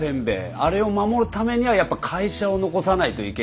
あれを守るためにはやっぱ会社を残さないといけないって。